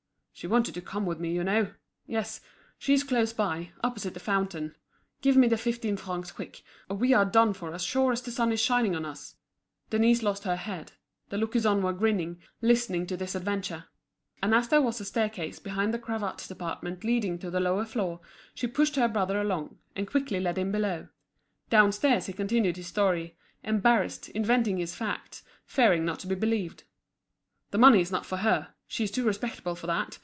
"She wanted to come with me you know. Yes, she is close by, opposite the fountain. Give me the fifteen francs quick, or we are done for as sure as the sun is shining on us!" Denise lost her head. The lookers on were grinning, listening to this adventure. And as there was a staircase behind the cravat department leading to the lower floor, she pushed her brother along, and quickly led him below. Downstairs he continued his story, embarrassed, inventing his facts, fearing not to be believed. "The money is not for her. She is too respectable for that.